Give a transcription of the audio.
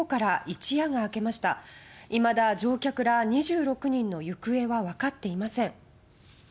いまだ乗客ら２６人の行方は分かっていません。